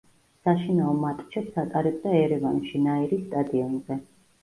საშინაო მატჩებს ატარებდა ერევანში, ნაირის სტადიონზე.